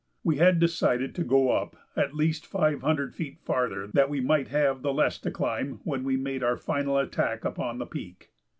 We had decided to go up at least five hundred feet farther that we might have the less to climb when we made our final attack upon the peak.